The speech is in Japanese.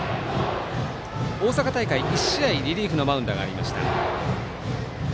大阪大会１試合リリーフのマウンド上がりました。